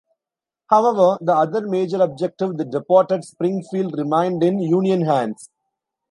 However, the other major objective, the depot at Springfield, remained in Union hands.